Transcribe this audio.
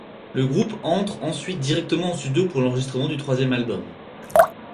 Le groupe entre ensuite directement en studio pour l'enregistrement du troisième album '.